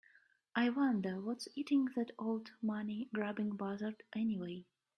I wonder what's eating that old money grubbing buzzard anyway?